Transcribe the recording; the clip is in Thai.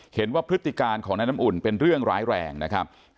พฤติการของนายน้ำอุ่นเป็นเรื่องร้ายแรงนะครับ